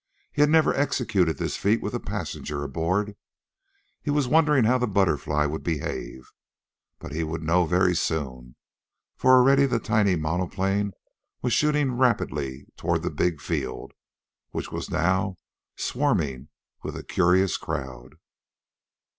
He had never executed this feat with a passenger aboard. He was wondering how the BUTTERFLY would behave. But he would know very soon, for already the tiny monoplane was shooting rapidly toward the big field, which was now swarming with a curious crowd.